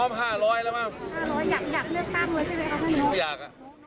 ไม่อยาก